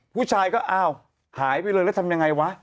ผู้ชายก็อ้าวหายไปเลยแล้วทำยังไงวะ